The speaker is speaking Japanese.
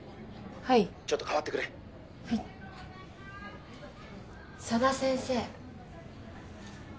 はい☎ちょっと代わってくれ佐田先生